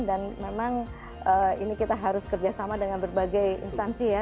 dan memang ini kita harus kerjasama dengan berbagai instansi ya